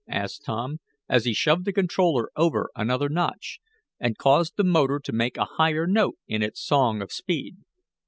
asked Tom, as he shoved the controller over another notch, and caused the motor to make a higher note in its song of speed.